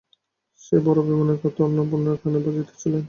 সেই বড়ো অভিমানের কথা অন্নপূর্ণার কানে বাজিতেছিল।